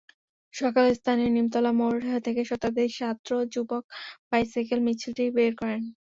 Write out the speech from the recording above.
সকালে স্থানীয় নিমতলা মোড় থেকে শতাধিক ছাত্র-যুবক বাইসাইকেল মিছিলটি বের করেন।